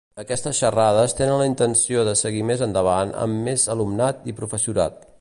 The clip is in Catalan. Aquestes xarrades tenen la intenció de seguir més endavant amb més alumnat i professorat.